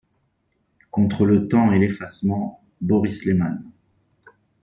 Contre le temps et l'effacement, Boris Lehman...